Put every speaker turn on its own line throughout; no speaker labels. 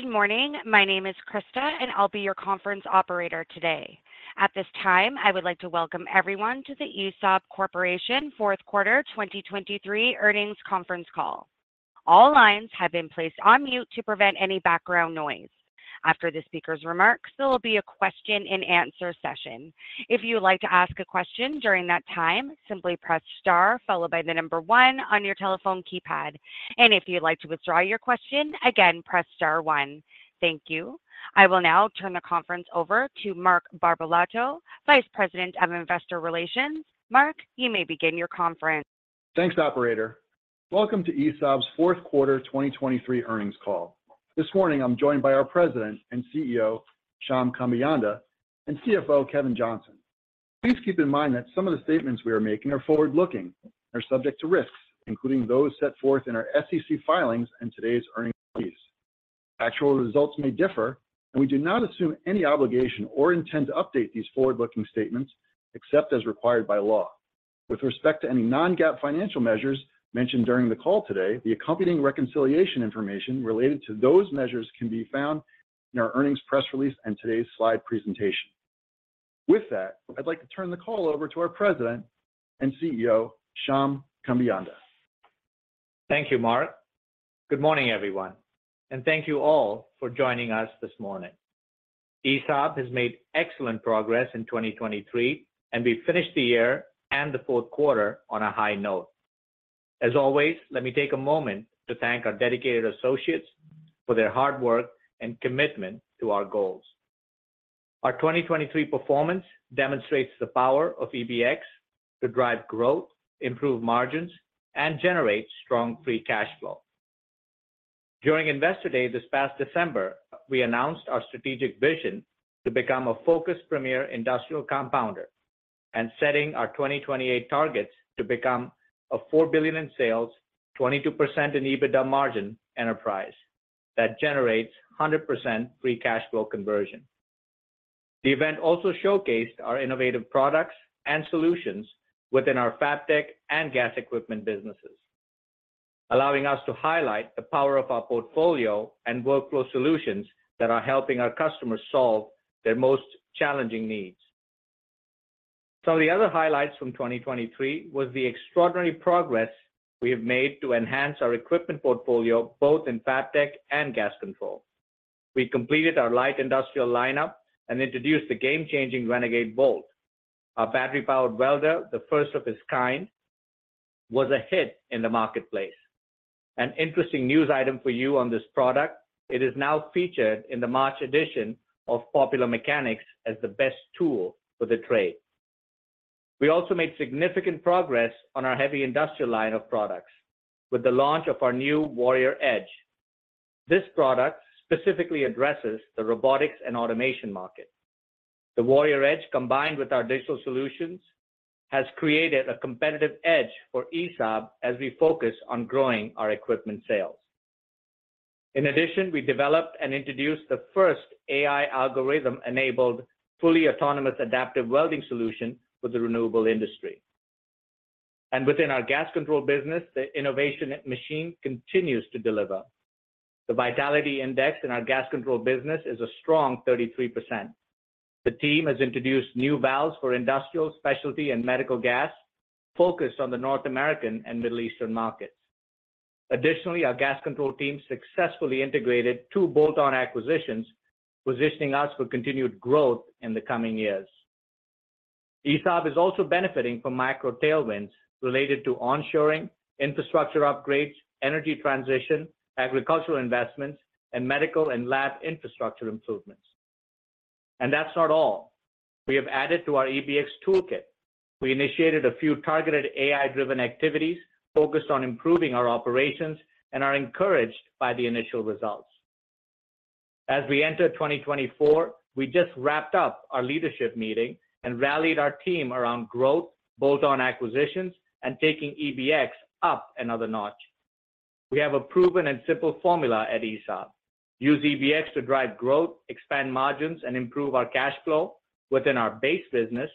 Good morning. My name is Krista, and I'll be your conference operator today. At this time, I would like to welcome everyone to the ESAB Corporation fourth quarter 2023 earnings conference call. All lines have been placed on mute to prevent any background noise. After the speaker's remarks, there will be a question-and-answer session. If you would like to ask a question during that time, simply press star followed by the number one on your telephone keypad, and if you would like to withdraw your question, again, press star one. Thank you. I will now turn the conference over to Mark Barbalato, Vice President of Investor Relations. Mark, you may begin your conference.
Thanks, operator. Welcome to ESAB's fourth quarter 2023 earnings call. This morning, I'm joined by our President and CEO, Shyam Kambeyanda, and CFO, Kevin Johnson. Please keep in mind that some of the statements we are making are forward-looking and are subject to risks, including those set forth in our SEC filings and today's earnings release. Actual results may differ, and we do not assume any obligation or intent to update these forward-looking statements except as required by law. With respect to any non-GAAP financial measures mentioned during the call today, the accompanying reconciliation information related to those measures can be found in our earnings press release and today's slide presentation. With that, I'd like to turn the call over to our President and CEO, Shyam Kambeyanda.
Thank you, Mark. Good morning, everyone, and thank you all for joining us this morning. ESAB has made excellent progress in 2023 and we finished the year and the fourth quarter on a high note. As always, let me take a moment to thank our dedicated associates for their hard work and commitment to our goals. Our 2023 performance demonstrates the power of EBX to drive growth, improve margins, and generate strong free cash flow. During Investor Day this past December, we announced our strategic vision to become a focused premier industrial compounder and setting our 2028 targets to become a $4 billion in sales, 22% in EBITDA margin enterprise that generates 100% free cash flow conversion. The event also showcased our innovative products and solutions within our Fab Tech and Gas Control businesses, allowing us to highlight the power of our portfolio and workflow solutions that are helping our customers solve their most challenging needs. Some of the other highlights from 2023 was the extraordinary progress we have made to enhance our equipment portfolio both in Fab Tech and Gas Control. We completed our light industrial lineup and introduced the game-changing Renegade VOLT. Our battery-powered welder, the first of its kind, was a hit in the marketplace. An interesting news item for you on this product: it is now featured in the March edition of Popular Mechanics as the best tool for the trade. We also made significant progress on our heavy industrial line of products with the launch of our new Warrior Edge. This product specifically addresses the robotics and automation market. The Warrior Edge, combined with our digital solutions, has created a competitive edge for ESAB as we focus on growing our equipment sales. In addition, we developed and introduced the first AI algorithm-enabled fully autonomous adaptive welding solution for the renewable industry. Within our Gas Control business, the innovation machine continues to deliver. The Vitality Index in our Gas Control business is a strong 33%. The team has introduced new valves for industrial, specialty, and medical gas focused on the North American and Middle Eastern markets. Additionally, our Gas Control team successfully integrated two bolt-on acquisitions, positioning us for continued growth in the coming years. ESAB is also benefiting from micro tailwinds related to onshoring, infrastructure upgrades, energy transition, agricultural investments, and medical and lab infrastructure improvements. That's not all. We have added to our EBX toolkit. We initiated a few targeted AI-driven activities focused on improving our operations and are encouraged by the initial results. As we enter 2024, we just wrapped up our leadership meeting and rallied our team around growth, bolt-on acquisitions, and taking EBX up another notch. We have a proven and simple formula at ESAB: use EBX to drive growth, expand margins, and improve our cash flow within our base business,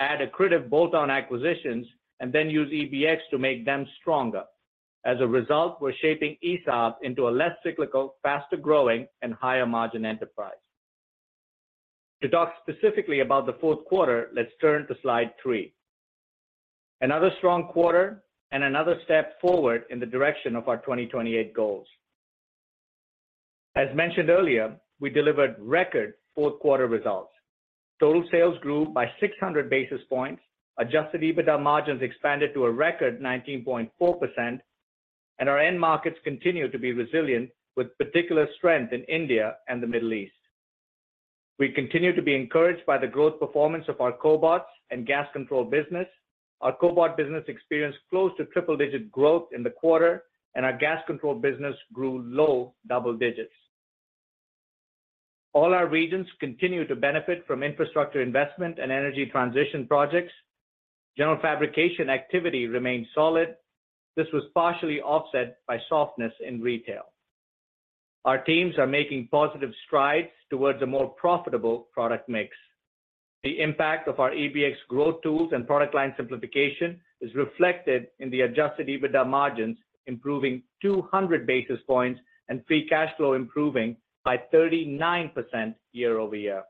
add accretive bolt-on acquisitions, and then use EBX to make them stronger. As a result, we're shaping ESAB into a less cyclical, faster-growing, and higher-margin enterprise. To talk specifically about the fourth quarter, let's turn to slide 3. Another strong quarter and another step forward in the direction of our 2028 goals. As mentioned earlier, we delivered record fourth quarter results. Total sales grew by 600 basis points, Adjusted EBITDA margins expanded to a record 19.4%, and our end markets continue to be resilient with particular strength in India and the Middle East. We continue to be encouraged by the growth performance of our cobots and gas control business. Our cobot business experienced close to triple-digit growth in the quarter, and our gas control business grew low double digits. All our regions continue to benefit from infrastructure investment and energy transition projects. General fabrication activity remained solid. This was partially offset by softness in retail. Our teams are making positive strides towards a more profitable product mix. The impact of our EBX growth tools and product line simplification is reflected in the Adjusted EBITDA margins improving 200 basis points and free cash flow improving by 39% year-over-year.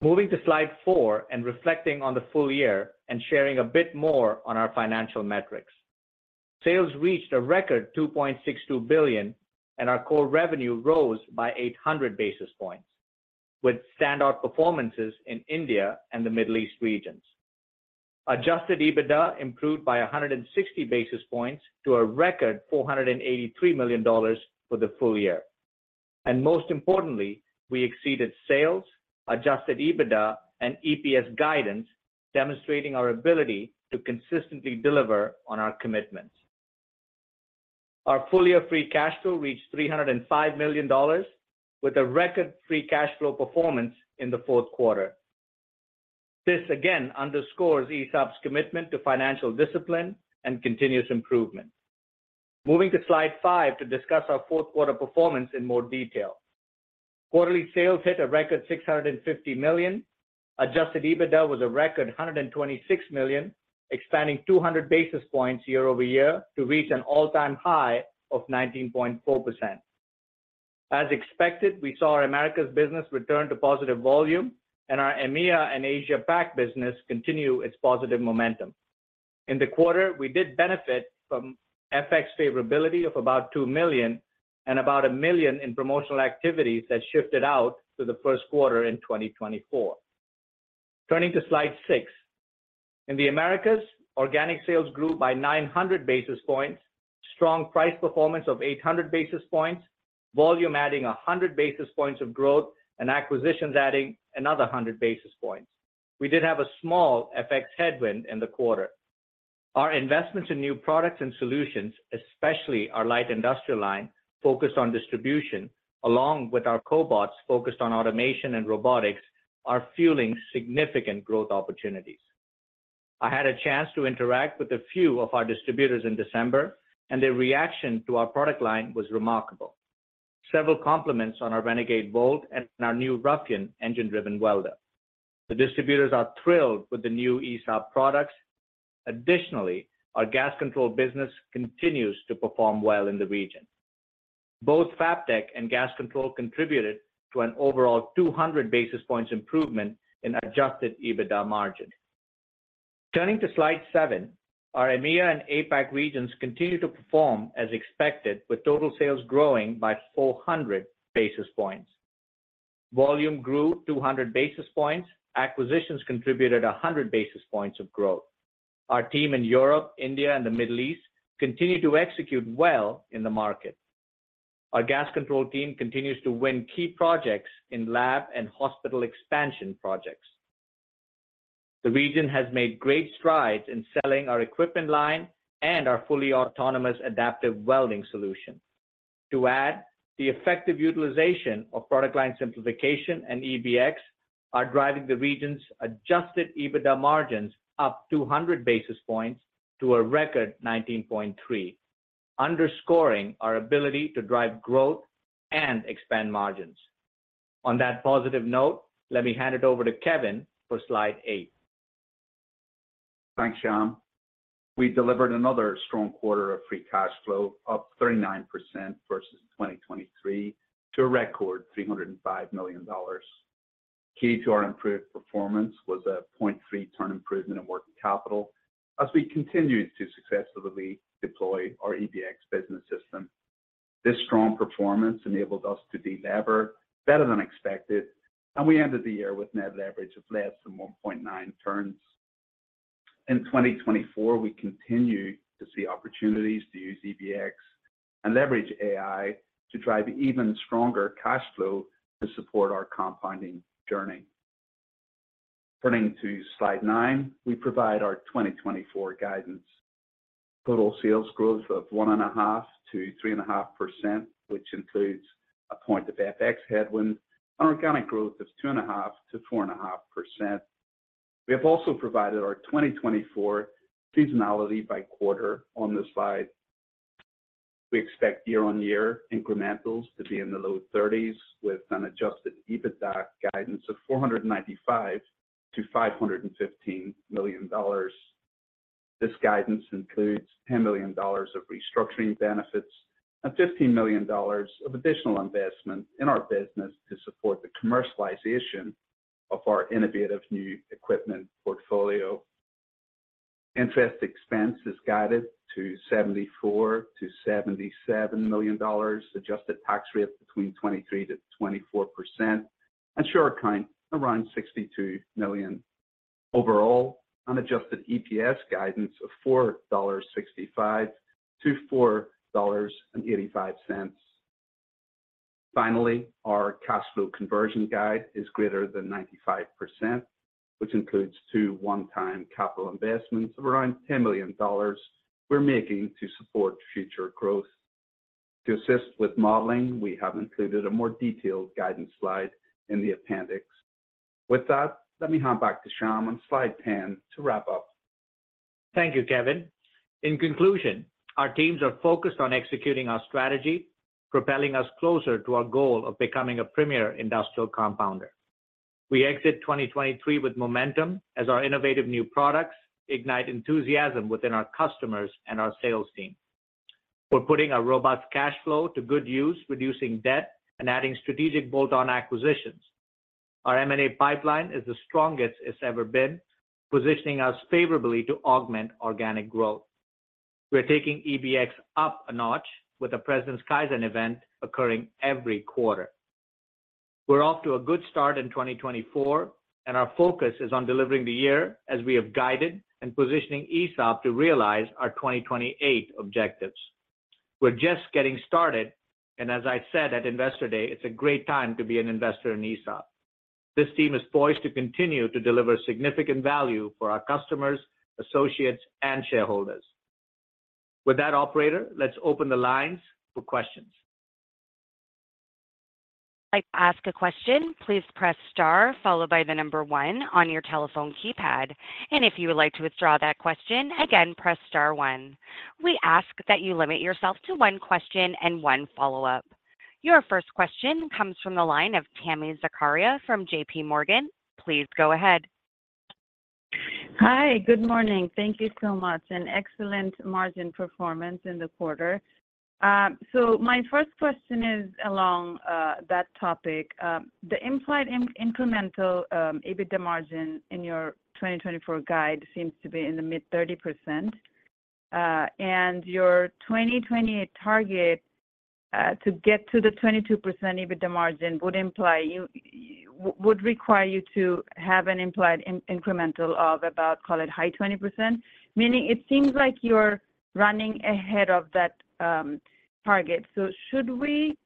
Moving to slide four and reflecting on the full year and sharing a bit more on our financial metrics. Sales reached a record $2.62 billion, and our core revenue rose by 800 basis points with standout performances in India and the Middle East regions. Adjusted EBITDA improved by 160 basis points to a record $483 million for the full year. And most importantly, we exceeded sales, Adjusted EBITDA, and EPS guidance, demonstrating our ability to consistently deliver on our commitments. Our full-year free cash flow reached $305 million with a record free cash flow performance in the fourth quarter. This, again, underscores ESAB's commitment to financial discipline and continuous improvement. Moving to slide five to discuss our fourth quarter performance in more detail. Quarterly sales hit a record $650 million. Adjusted EBITDA was a record $126 million, expanding 200 basis points year-over-year to reach an all-time high of 19.4%. As expected, we saw our Americas business return to positive volume, and our EMEA and Asia-Pac business continue its positive momentum. In the quarter, we did benefit from FX favorability of about $2 million and about $1 million in promotional activities that shifted out through the first quarter in 2024. Turning to slide six. In the Americas, organic sales grew by 900 basis points, strong price performance of 800 basis points, volume adding 100 basis points of growth, and acquisitions adding another 100 basis points. We did have a small FX headwind in the quarter. Our investments in new products and solutions, especially our light industrial line focused on distribution, along with our cobots focused on automation and robotics, are fueling significant growth opportunities. I had a chance to interact with a few of our distributors in December, and their reaction to our product line was remarkable. Several compliments on our Renegade VOLT and our new Ruffian engine-driven welder. The distributors are thrilled with the new ESAB products. Additionally, our gas control business continues to perform well in the region. Both Fab Tech and gas control contributed to an overall 200 basis points improvement in Adjusted EBITDA margin. Turning to slide seven. Our EMEA and APAC regions continue to perform as expected, with total sales growing by 400 basis points. Volume grew 200 basis points. Acquisitions contributed 100 basis points of growth. Our team in Europe, India, and the Middle East continue to execute well in the market. Our gas control team continues to win key projects in lab and hospital expansion projects. The region has made great strides in selling our equipment line and our fully autonomous adaptive welding solution. To add, the effective utilization of product line simplification and EBX are driving the region's Adjusted EBITDA margins up 200 basis points to a record 19.3%, underscoring our ability to drive growth and expand margins. On that positive note, let me hand it over to Kevin for slide eight.
Thanks, Shyam. We delivered another strong quarter of free cash flow up 39% versus 2023 to a record $305 million. Key to our improved performance was a 0.3 turn improvement in working capital as we continued to successfully deploy our EBX business system. This strong performance enabled us to delever better than expected, and we ended the year with net leverage of less than 1.9 turns. In 2024, we continue to see opportunities to use EBX and leverage AI to drive even stronger cash flow to support our compounding journey. Turning to slide nine. We provide our 2024 guidance. Total sales growth of 1.5%-3.5%, which includes a point of FX headwind, and organic growth of 2.5%-4.5%. We have also provided our 2024 seasonality by quarter on this slide. We expect year-on-year incrementals to be in the low 30s with an Adjusted EBITDA guidance of $495 million-$515 million. This guidance includes $10 million of restructuring benefits and $15 million of additional investment in our business to support the commercialization of our innovative new equipment portfolio. Interest expense is guided to $74 million-$77 million, Adjusted tax rate between 23%-24%, and share count around 62 million. Overall, an Adjusted EPS guidance of $4.65-$4.85. Finally, our cash flow conversion guide is greater than 95%, which includes two one-time capital investments of around $10 million we're making to support future growth. To assist with modeling, we have included a more detailed guidance slide in the appendix. With that, let me hop back to Shyam on slide 10 to wrap up.
Thank you, Kevin. In conclusion, our teams are focused on executing our strategy, propelling us closer to our goal of becoming a premier industrial compounder. We exit 2023 with momentum as our innovative new products ignite enthusiasm within our customers and our sales team. We're putting our robust cash flow to good use, reducing debt, and adding strategic bolt-on acquisitions. Our M&A pipeline is the strongest it's ever been, positioning us favorably to augment organic growth. We're taking EBX up a notch with a President's Kaizen event occurring every quarter. We're off to a good start in 2024, and our focus is on delivering the year as we have guided and positioning ESAB to realize our 2028 objectives. We're just getting started, and as I said at Investor Day, it's a great time to be an investor in ESAB. This team is poised to continue to deliver significant value for our customers, associates, and shareholders. With that, operator, let's open the lines for questions.
If I ask a question, please press star followed by the number one on your telephone keypad. And if you would like to withdraw that question, again, press star one. We ask that you limit yourself to one question and one follow-up. Your first question comes from the line of Tami Zakaria from JPMorgan. Please go ahead.
Hi. Good morning. Thank you so much. An excellent margin performance in the quarter. So my first question is along that topic. The implied incremental EBITDA margin in your 2024 guide seems to be in the mid-30%. And your 2028 target to get to the 22% EBITDA margin would imply you would require you to have an implied incremental of about, call it, high 20%, meaning it seems like you're running ahead of that target. So should we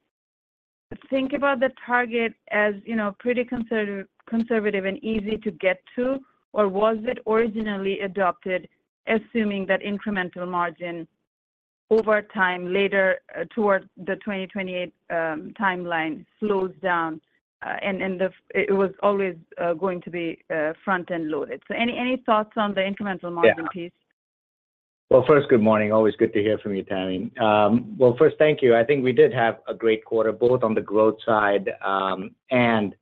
think about the target as pretty conservative and easy to get to, or was it originally adopted assuming that incremental margin over time, later toward the 2028 timeline, slows down, and it was always going to be front-end loaded? So any thoughts on the incremental margin piece?
Well, first, good morning. Always good to hear from you, Tami. Well, first, thank you. I think we did have a great quarter, both on the growth side and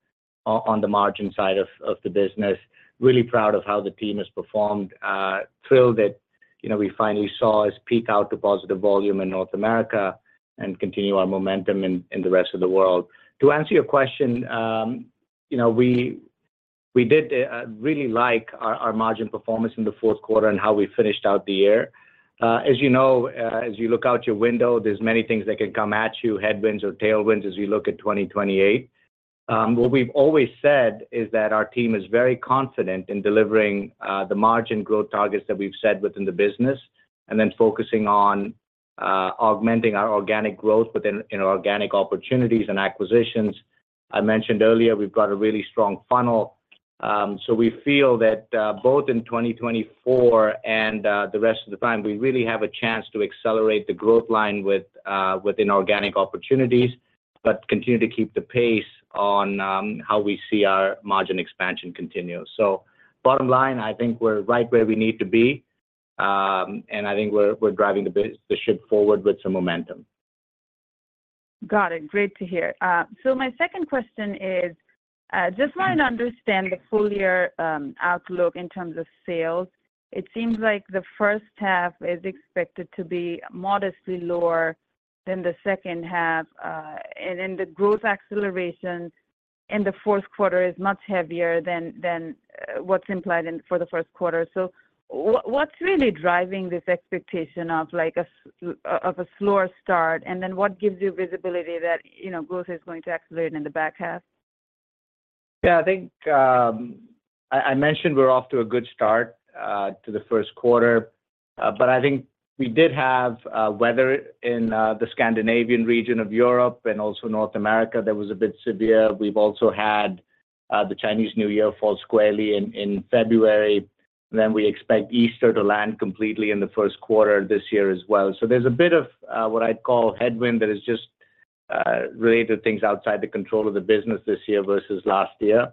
on the margin side of the business. Really proud of how the team has performed. Thrilled that we finally saw us peak out to positive volume in North America and continue our momentum in the rest of the world. To answer your question, we did really like our margin performance in the fourth quarter and how we finished out the year. As you know, as you look out your window, there's many things that can come at you, headwinds or tailwinds, as you look at 2028. What we've always said is that our team is very confident in delivering the margin growth targets that we've set within the business and then focusing on augmenting our organic growth within organic opportunities and acquisitions. I mentioned earlier, we've got a really strong funnel. So we feel that both in 2024 and the rest of the time, we really have a chance to accelerate the growth line within organic opportunities but continue to keep the pace on how we see our margin expansion continue. So bottom line, I think we're right where we need to be, and I think we're driving the ship forward with some momentum.
Got it. Great to hear. So my second question is just wanting to understand the full-year outlook in terms of sales. It seems like the first half is expected to be modestly lower than the second half, and the growth acceleration in the fourth quarter is much heavier than what's implied for the first quarter. So what's really driving this expectation of a slower start, and then what gives you visibility that growth is going to accelerate in the back half?
Yeah. I think I mentioned we're off to a good start to the first quarter, but I think we did have weather in the Scandinavian region of Europe and also North America that was a bit severe. We've also had the Chinese New Year fall squarely in February, and then we expect Easter to land completely in the first quarter this year as well. So there's a bit of what I'd call headwind that is just related to things outside the control of the business this year versus last year.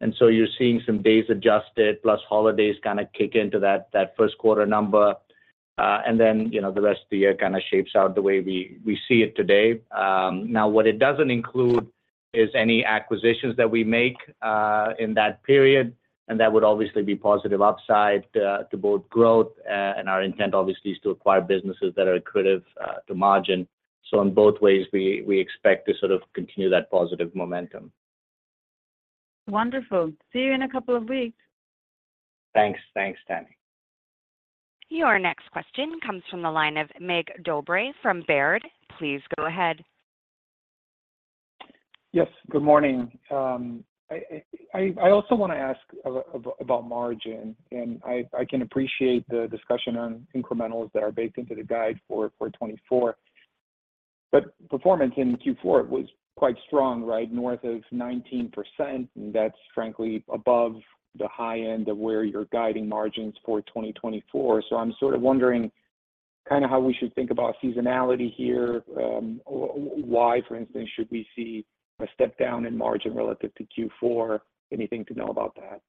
And so you're seeing some days adjusted plus holidays kind of kick into that first quarter number, and then the rest of the year kind of shapes out the way we see it today. Now, what it doesn't include is any acquisitions that we make in that period, and that would obviously be positive upside to both growth and our intent, obviously, is to acquire businesses that are accretive to margin. So in both ways, we expect to sort of continue that positive momentum.
Wonderful. See you in a couple of weeks.
Thanks. Thanks, Tami.
Your next question comes from the line of Mig Dobre from Baird. Please go ahead.
Yes. Good morning. I also want to ask about margin, and I can appreciate the discussion on incrementals that are baked into the guide for 2024. But performance in Q4 was quite strong, right, north of 19%, and that's, frankly, above the high end of where you're guiding margins for 2024. So I'm sort of wondering kind of how we should think about seasonality here. Why, for instance, should we see a step down in margin relative to Q4? Anything to know about that?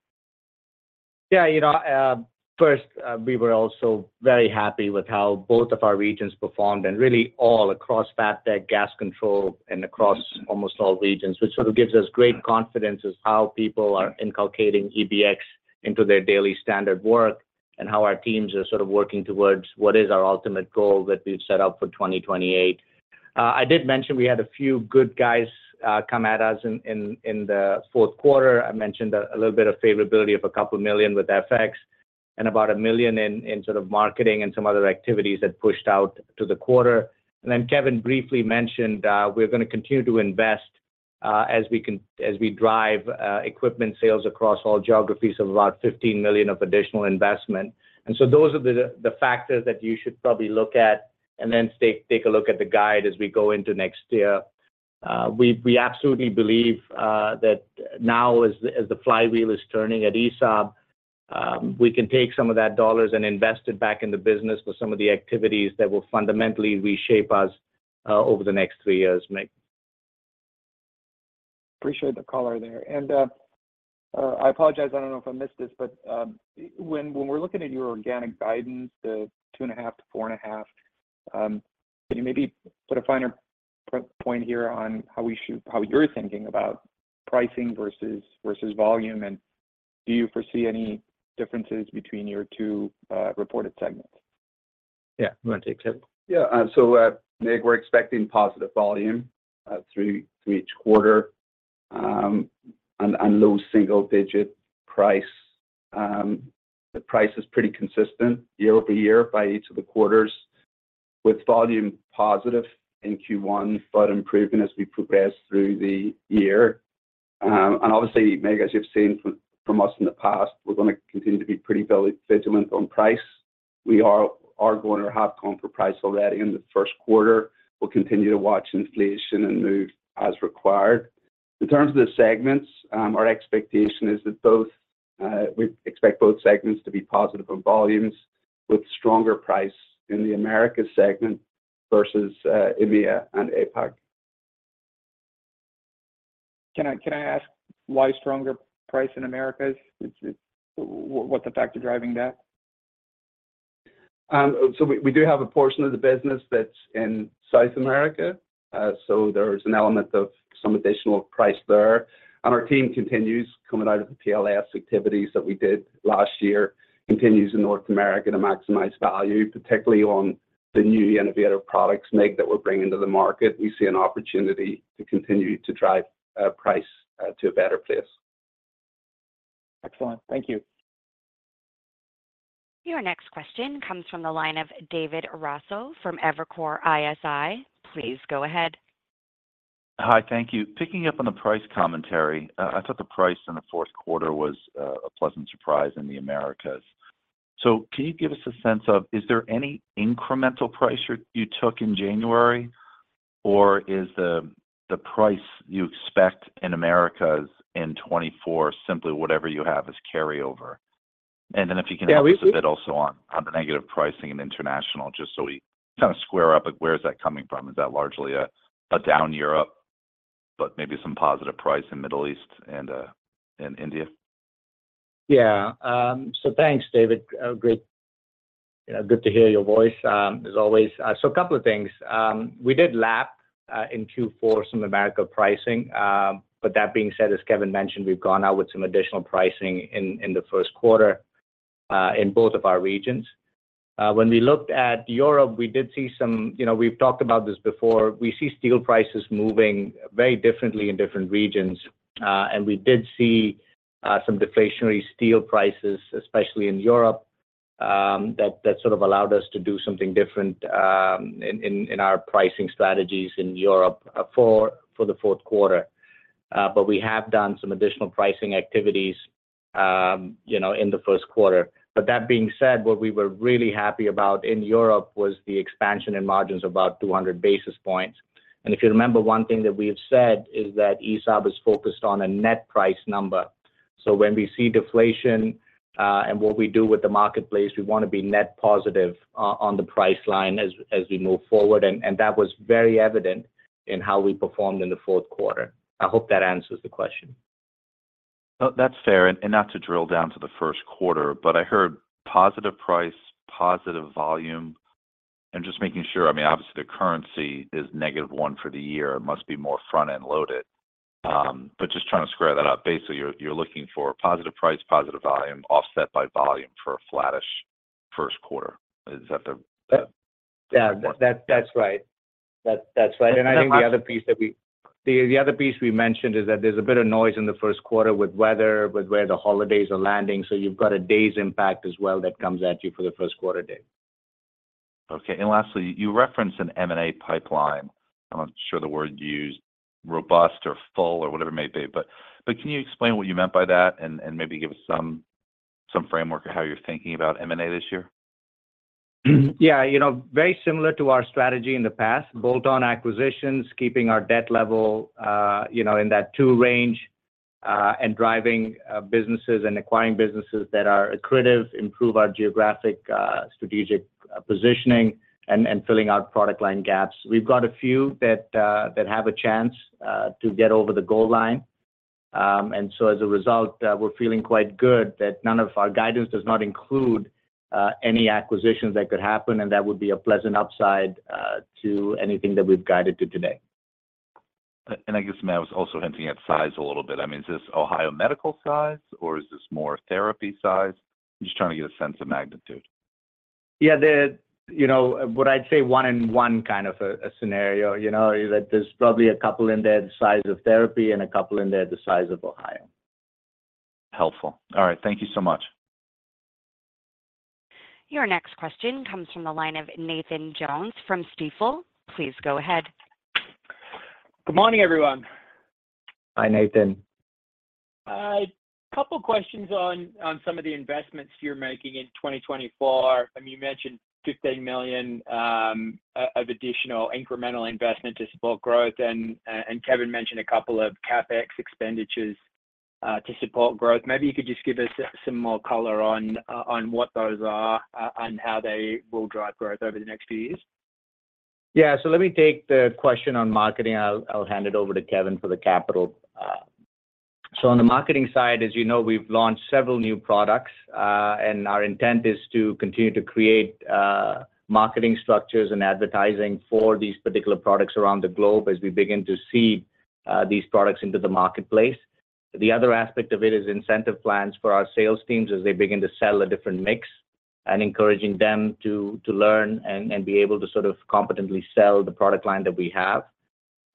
Yeah. First, we were also very happy with how both of our regions performed and really all across Fab Tech, Gas Control, and across almost all regions, which sort of gives us great confidence as how people are inculcating EBX into their daily standard work and how our teams are sort of working towards what is our ultimate goal that we've set up for 2028. I did mention we had a few good guys come at us in the fourth quarter. I mentioned a little bit of favorability of $2 million with FX and about $1 million in sort of marketing and some other activities that pushed out to the quarter. And then Kevin briefly mentioned we're going to continue to invest as we drive equipment sales across all geographies of about $15 million of additional investment. And so those are the factors that you should probably look at and then take a look at the guide as we go into next year. We absolutely believe that now, as the flywheel is turning at ESAB, we can take some of that dollars and invest it back in the business for some of the activities that will fundamentally reshape us over the next three years, Mig.
Appreciate the caller there. I apologize. I don't know if I missed this, but when we're looking at your organic guidance, the 2.5%-4.5, can you maybe put a finer point here on how you're thinking about pricing versus volume? Do you foresee any differences between your two reported segments?
Yeah. Go ahead, Kevin.
Yeah. So, Mig, we're expecting positive volume through each quarter and low single-digit price. The price is pretty consistent year-over-year by each of the quarters, with volume positive in Q1, but improving as we progress through the year. Obviously, Mig, as you've seen from us in the past, we're going to continue to be pretty vigilant on price. We are going to have come for price already in the first quarter. We'll continue to watch inflation and move as required. In terms of the segments, our expectation is that both segments to be positive on volumes with stronger price in the Americas segment versus EMEA and APAC.
Can I ask why stronger price in Americas? What's the factor driving that?
We do have a portion of the business that's in South America, so there's an element of some additional price there. Our team continues, coming out of the PLS activities that we did last year, continues in North America to maximize value, particularly on the new innovative products, Mig, that we're bringing to the market. We see an opportunity to continue to drive price to a better place.
Excellent. Thank you.
Your next question comes from the line of David Raso from Evercore ISI. Please go ahead.
Hi. Thank you. Picking up on the price commentary, I thought the price in the fourth quarter was a pleasant surprise in the Americas. So can you give us a sense of is there any incremental price you took in January, or is the price you expect in Americas in 2024 simply whatever you have as carryover? And then if you can elaborate a bit also on the negative pricing in international, just so we kind of square up, where is that coming from? Is that largely a down Europe, but maybe some positive price in Middle East and India?
Yeah. So thanks, David. Good to hear your voice as always. So a couple of things. We did lap in Q4 some American pricing. But that being said, as Kevin mentioned, we've gone out with some additional pricing in the first quarter in both of our regions. When we looked at Europe, we did see some we've talked about this before. We see steel prices moving very differently in different regions, and we did see some deflationary steel prices, especially in Europe, that sort of allowed us to do something different in our pricing strategies in Europe for the fourth quarter. But we have done some additional pricing activities in the first quarter. But that being said, what we were really happy about in Europe was the expansion in margins of about 200 basis points. If you remember, one thing that we've said is that ESAB is focused on a net price number. So when we see deflation and what we do with the marketplace, we want to be net positive on the price line as we move forward. And that was very evident in how we performed in the fourth quarter. I hope that answers the question.
That's fair. Not to drill down to the first quarter, but I heard positive price, positive volume. Just making sure, I mean, obviously, the currency is -1% for the year. It must be more front-end loaded. Just trying to square that out, basically, you're looking for positive price, positive volume, offset by currency for a flattish first quarter. Is that the question?
Yeah. That's right. That's right. And I think the other piece that we mentioned is that there's a bit of noise in the first quarter with weather, with where the holidays are landing. So you've got a day's impact as well that comes at you for the first quarter day.
Okay. And lastly, you referenced an M&A pipeline. I'm not sure the word you used, robust or full or whatever it may be. But can you explain what you meant by that and maybe give us some framework of how you're thinking about M&A this year?
Yeah. Very similar to our strategy in the past, bolt-on acquisitions, keeping our debt level in that two range, and driving businesses and acquiring businesses that are accretive, improve our geographic strategic positioning, and filling out product line gaps. We've got a few that have a chance to get over the goal line. And so as a result, we're feeling quite good that none of our guidance does not include any acquisitions that could happen, and that would be a pleasant upside to anything that we've guided to today.
I guess, Mig, I was also hinting at size a little bit. I mean, is this Ohio Medical size, or is this more therapy size? I'm just trying to get a sense of magnitude.
Yeah. What I'd say in a one-on-one kind of a scenario, that there's probably a couple in there the size of Therapy and a couple in there the size of Ohio.
Helpful. All right. Thank you so much.
Your next question comes from the line of Nathan Jones from Stifel. Please go ahead.
Good morning, everyone.
Hi, Nathan.
A couple of questions on some of the investments you're making in 2024. I mean, you mentioned $15 million of additional incremental investment to support growth, and Kevin mentioned a couple of CapEx expenditures to support growth. Maybe you could just give us some more color on what those are and how they will drive growth over the next few years.
Yeah. So let me take the question on marketing. I'll hand it over to Kevin for the capital. So on the marketing side, as you know, we've launched several new products, and our intent is to continue to create marketing structures and advertising for these particular products around the globe as we begin to seed these products into the marketplace. The other aspect of it is incentive plans for our sales teams as they begin to sell a different mix and encouraging them to learn and be able to sort of competently sell the product line that we have.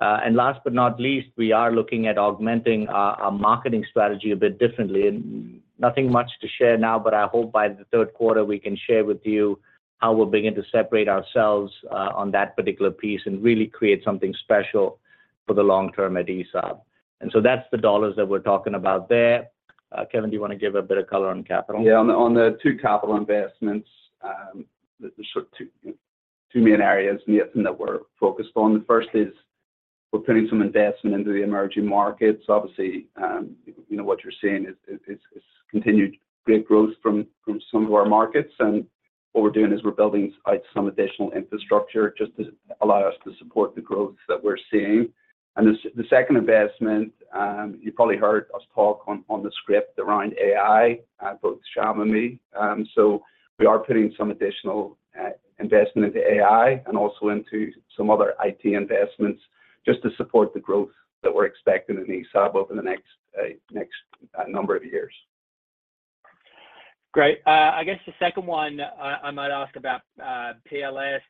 And last but not least, we are looking at augmenting our marketing strategy a bit differently. Nothing much to share now, but I hope by the third quarter, we can share with you how we'll begin to separate ourselves on that particular piece and really create something special for the long term at ESAB. And so that's the dollars that we're talking about there. Kevin, do you want to give a bit of color on capital?
Yeah. On the two capital investments, the two main areas in the CapEx that we're focused on, the first is we're putting some investment into the emerging markets. Obviously, what you're seeing is continued great growth from some of our markets. And what we're doing is we're building out some additional infrastructure just to allow us to support the growth that we're seeing. And the second investment, you probably heard us talk on the script around AI, both Shyam and me. So we are putting some additional investment into AI and also into some other IT investments just to support the growth that we're expecting in ESAB over the next number of years.
Great. I guess the second one I might ask about PLS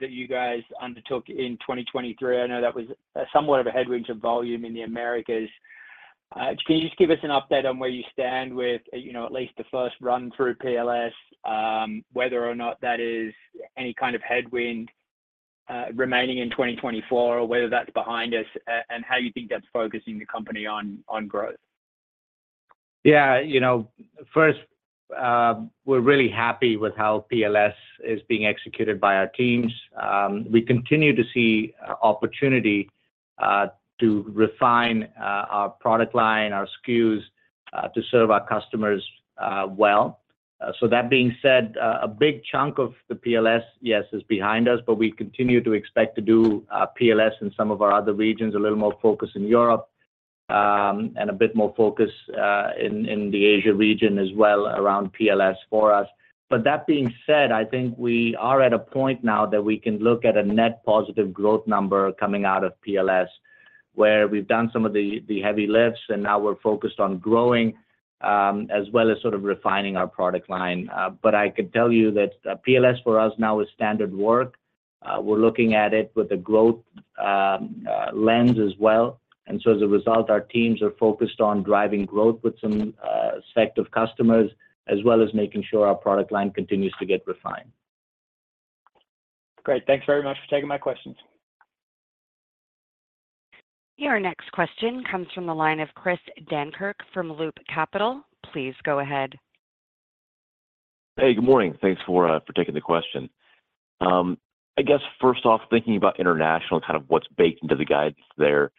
that you guys undertook in 2023. I know that was somewhat of a headwind to volume in the Americas. Can you just give us an update on where you stand with at least the first run through PLS, whether or not that is any kind of headwind remaining in 2024 or whether that's behind us, and how you think that's focusing the company on growth?
Yeah. First, we're really happy with how PLS is being executed by our teams. We continue to see opportunity to refine our product line, our SKUs to serve our customers well. So that being said, a big chunk of the PLS, yes, is behind us, but we continue to expect to do PLS in some of our other regions, a little more focus in Europe and a bit more focus in the Asia region as well around PLS for us. But that being said, I think we are at a point now that we can look at a net positive growth number coming out of PLS where we've done some of the heavy lifts, and now we're focused on growing as well as sort of refining our product line. But I can tell you that PLS for us now is standard work. We're looking at it with a growth lens as well. And so as a result, our teams are focused on driving growth with some select of customers as well as making sure our product line continues to get refined.
Great. Thanks very much for taking my questions.
Your next question comes from the line of Chris Dankert from Loop Capital. Please go ahead.
Hey. Good morning. Thanks for taking the question. I guess, first off, thinking about international, kind of what's baked into the guidance there,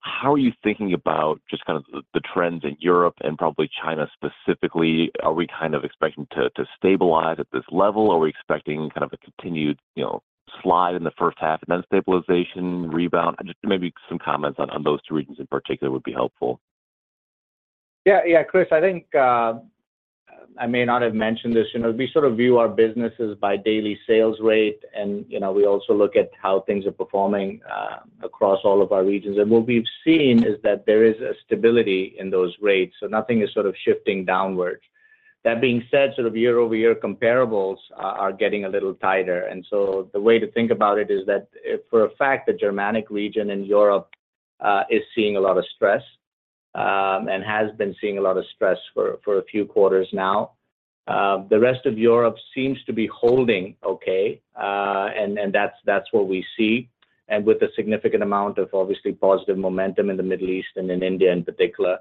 how are you thinking about just kind of the trends in Europe and probably China specifically? Are we kind of expecting to stabilize at this level? Are we expecting kind of a continued slide in the first half and then stabilization, rebound? Maybe some comments on those two regions in particular would be helpful.
Yeah. Yeah, Chris, I think I may not have mentioned this. We sort of view our businesses by daily sales rate, and we also look at how things are performing across all of our regions. What we've seen is that there is a stability in those rates, so nothing is sort of shifting downwards. That being said, sort of year-over-year comparables are getting a little tighter. So the way to think about it is that for a fact, the Germanic region in Europe is seeing a lot of stress and has been seeing a lot of stress for a few quarters now. The rest of Europe seems to be holding okay, and that's what we see. With a significant amount of, obviously, positive momentum in the Middle East and in India in particular.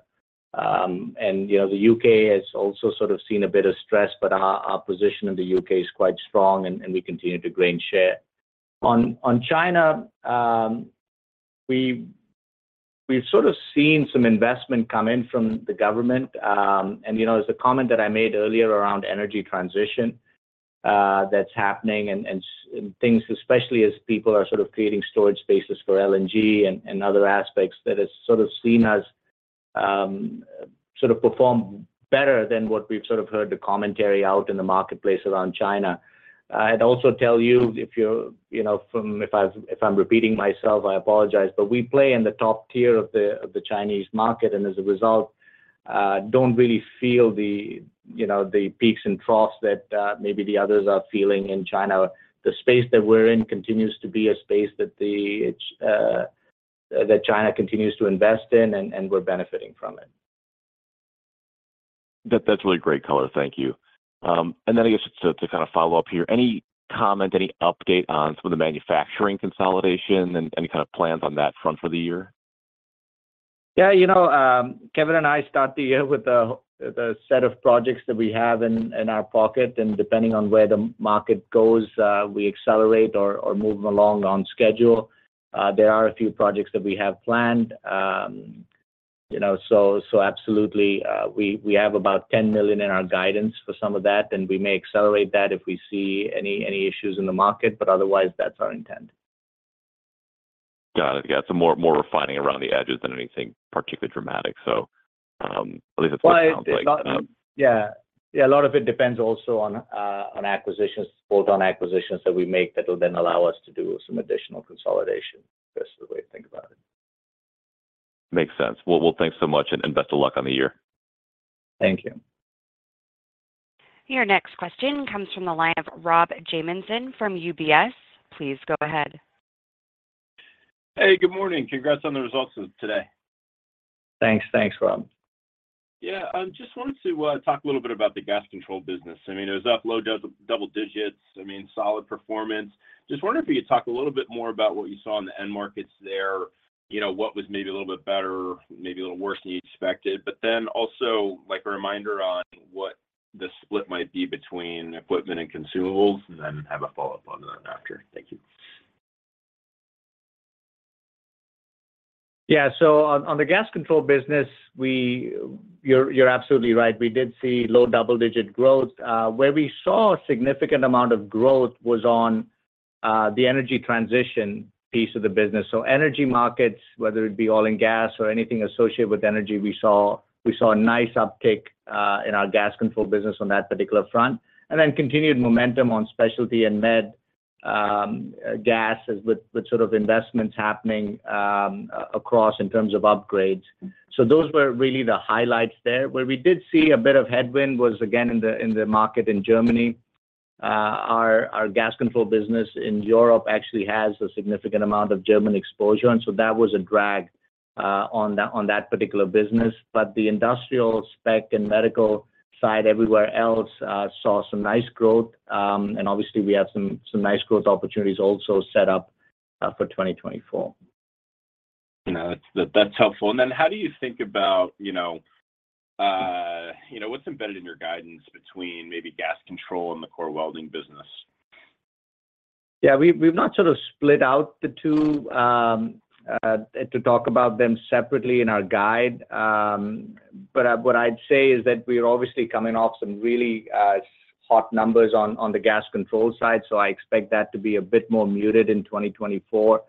The UK has also sort of seen a bit of stress, but our position in the UK is quite strong, and we continue to gain share. On China, we've sort of seen some investment come in from the government. And there's a comment that I made earlier around energy transition that's happening and things, especially as people are sort of creating storage spaces for LNG and other aspects that has sort of seen us sort of perform better than what we've sort of heard the commentary out in the marketplace around China. I'd also tell you, if I'm repeating myself, I apologize, but we play in the top tier of the Chinese market. And as a result, I don't really feel the peaks and troughs that maybe the others are feeling in China. The space that we're in continues to be a space that China continues to invest in, and we're benefiting from it.
That's really great color. Thank you. And then I guess to kind of follow up here, any comment, any update on some of the manufacturing consolidation and any kind of plans on that front for the year?
Yeah. Kevin and I start the year with a set of projects that we have in our pocket. Depending on where the market goes, we accelerate or move along on schedule. There are a few projects that we have planned. Absolutely, we have about $10 million in our guidance for some of that, and we may accelerate that if we see any issues in the market. Otherwise, that's our intent.
Got it. Yeah. It's more refining around the edges than anything particularly dramatic, so at least that's what it sounds like.
Yeah. Yeah. A lot of it depends also on acquisitions, bolt-on acquisitions that we make that will then allow us to do some additional consolidation. That's the way to think about it.
Makes sense. Well, thanks so much, and best of luck on the year.
Thank you.
Your next question comes from the line of Rob Jamieson from UBS. Please go ahead.
Hey. Good morning. Congrats on the results of today.
Thanks. Thanks, Rob.
Yeah. I just wanted to talk a little bit about the Gas Control business. I mean, it was up low double digits. I mean, solid performance. Just wondering if you could talk a little bit more about what you saw in the end markets there, what was maybe a little bit better, maybe a little worse than you expected, but then also a reminder on what the split might be between equipment and consumables, and then have a follow-up on that after. Thank you.
Yeah. So on the gas control business, you're absolutely right. We did see low double-digit growth. Where we saw a significant amount of growth was on the energy transition piece of the business. So energy markets, whether it be oil and gas or anything associated with energy, we saw a nice uptick in our gas control business on that particular front and then continued momentum on specialty and med gas with sort of investments happening across in terms of upgrades. So those were really the highlights there. Where we did see a bit of headwind was, again, in the market in Germany. Our gas control business in Europe actually has a significant amount of German exposure, and so that was a drag on that particular business. But the industrial spec and medical side, everywhere else, saw some nice growth. Obviously, we have some nice growth opportunities also set up for 2024.
That's helpful. And then how do you think about what's embedded in your guidance between maybe Gas Control and the core welding business?
Yeah. We've not sort of split out the two to talk about them separately in our guide. But what I'd say is that we're obviously coming off some really hot numbers on the Gas Control side, so I expect that to be a bit more muted in 2024.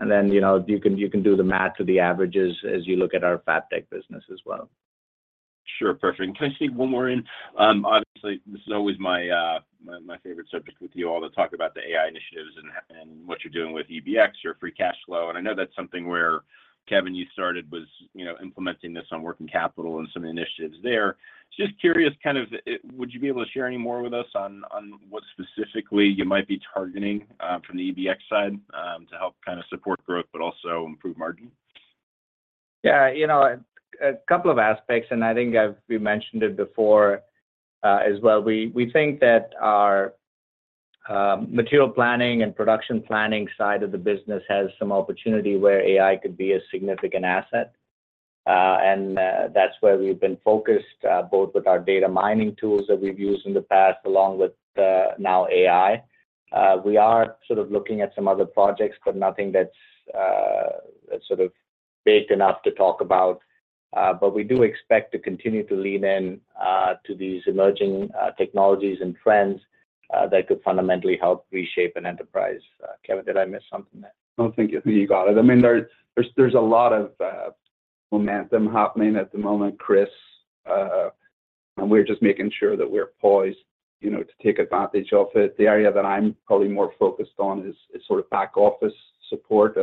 And then you can do the math to the averages as you look at our FabTech business as well.
Sure. Perfect. Can I just take one more in? Obviously, this is always my favorite subject with you all to talk about the AI initiatives and what you're doing with EBX, your free cash flow. And I know that's something where, Kevin, you started was implementing this on working capital and some initiatives there. Just curious, kind of would you be able to share any more with us on what specifically you might be targeting from the EBX side to help kind of support growth but also improve margin?
Yeah. A couple of aspects, and I think we mentioned it before as well. We think that our material planning and production planning side of the business has some opportunity where AI could be a significant asset. And that's where we've been focused, both with our data mining tools that we've used in the past along with now AI. We are sort of looking at some other projects, but nothing that's sort of big enough to talk about. But we do expect to continue to lean in to these emerging technologies and trends that could fundamentally help reshape an enterprise. Kevin, did I miss something there?
No, thank you. I think you got it. I mean, there's a lot of momentum happening at the moment, Chris, and we're just making sure that we're poised to take advantage of it. The area that I'm probably more focused on is sort of back-office support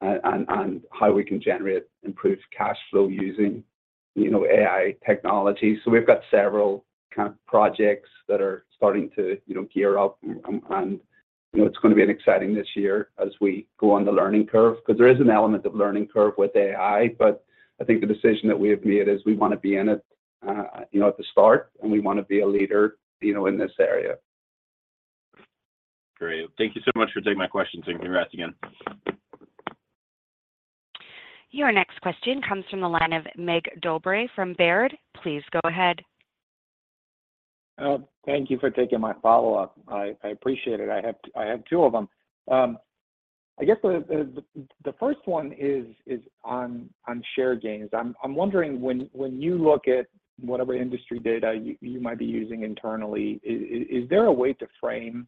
and how we can generate improved cash flow using AI technology. So we've got several kind of projects that are starting to gear up, and it's going to be exciting this year as we go on the learning curve because there is an element of learning curve with AI. But I think the decision that we have made is we want to be in it at the start, and we want to be a leader in this area.
Great. Thank you so much for taking my questions, and congrats again.
Your next question comes from the line of Mig Dobre from Baird. Please go ahead.
Thank you for taking my follow-up. I appreciate it. I have two of them. I guess the first one is on share gains. I'm wondering, when you look at whatever industry data you might be using internally, is there a way to frame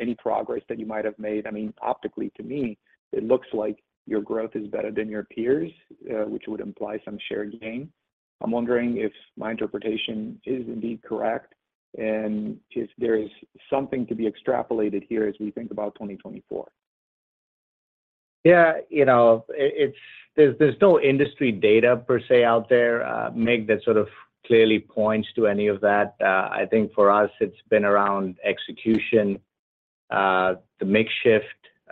any progress that you might have made? I mean, optically, to me, it looks like your growth is better than your peers, which would imply some share gain. I'm wondering if my interpretation is indeed correct and if there is something to be extrapolated here as we think about 2024.
Yeah. There's no industry data per se out there, Mig, that sort of clearly points to any of that. I think for us, it's been around execution, the mix shift.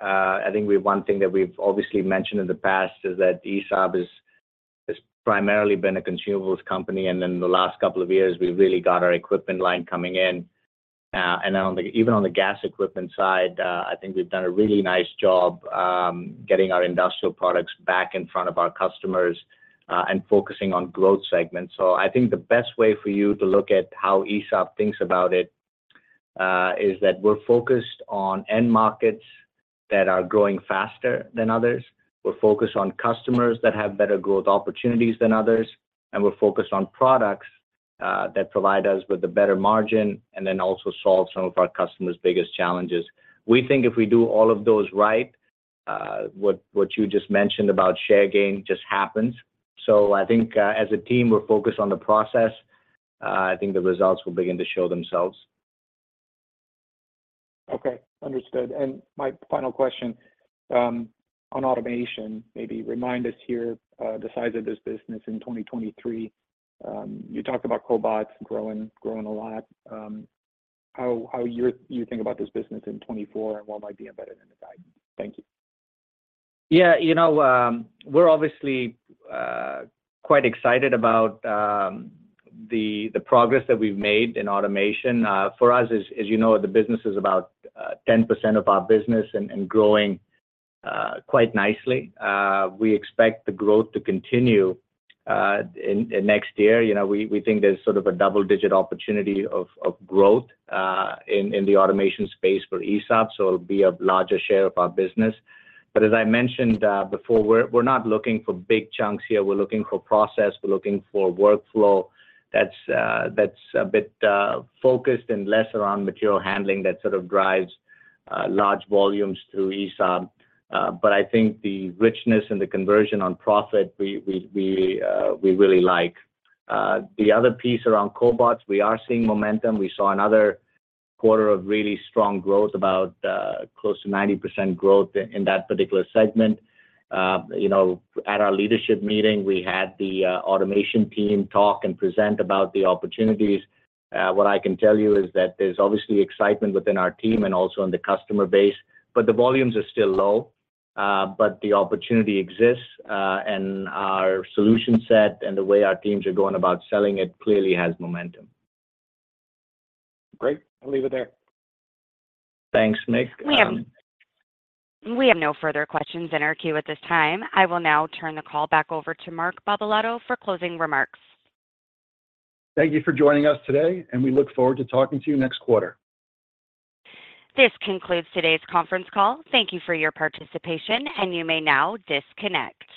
I think one thing that we've obviously mentioned in the past is that ESAB has primarily been a consumables company. And then the last couple of years, we've really got our equipment line coming in. And then even on the gas equipment side, I think we've done a really nice job getting our industrial products back in front of our customers and focusing on growth segments. So I think the best way for you to look at how ESAB thinks about it is that we're focused on end markets that are growing faster than others. We're focused on customers that have better growth opportunities than others, and we're focused on products that provide us with a better margin and then also solve some of our customers' biggest challenges. We think if we do all of those right, what you just mentioned about share gain just happens. So I think as a team, we're focused on the process. I think the results will begin to show themselves.
Okay. Understood. My final question on automation, maybe remind us here, the size of this business in 2023. You talked about cobots growing a lot. How do you think about this business in 2024, and what might be embedded in the guidance? Thank you.
Yeah. We're obviously quite excited about the progress that we've made in automation. For us, as you know, the business is about 10% of our business and growing quite nicely. We expect the growth to continue next year. We think there's sort of a double-digit opportunity of growth in the automation space for ESAB, so it'll be a larger share of our business. But as I mentioned before, we're not looking for big chunks here. We're looking for process. We're looking for workflow that's a bit focused and less around material handling that sort of drives large volumes through ESAB. But I think the richness and the conversion on profit, we really like. The other piece around cobots, we are seeing momentum. We saw another quarter of really strong growth, about close to 90% growth in that particular segment. At our leadership meeting, we had the automation team talk and present about the opportunities. What I can tell you is that there's obviously excitement within our team and also in the customer base, but the volumes are still low. The opportunity exists, and our solution set and the way our teams are going about selling it clearly has momentum.
Great. I'll leave it there.
Thanks, Mig.
We have no further questions in our queue at this time. I will now turn the call back over to Mark Barbalato for closing remarks.
Thank you for joining us today, and we look forward to talking to you next quarter.
This concludes today's conference call. Thank you for your participation, and you may now disconnect.